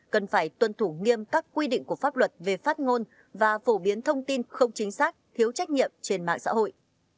cần phải tuân thủ nghiêm các quy định của pháp luật về phát ngôn và phổ biến thông tin không chính xác thiếu trách nhiệm trên mạng xã hội